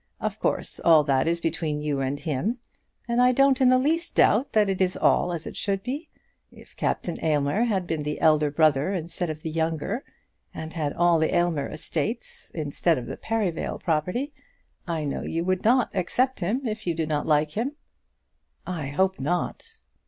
Of course all that is between you and him, and I don't in the least doubt that it is all as it should be. If Captain Aylmer had been the elder brother instead of the younger, and had all the Aylmer estates instead of the Perivale property, I know you would not accept him if you did not like him." "I hope not."